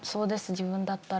自分だったら。